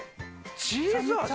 チーズ味！？